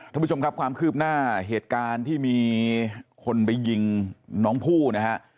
ท่านผู้ชมครับความคืบหน้าเหตุการณ์ที่มีคนไปยิงน้องผู้นะฮะ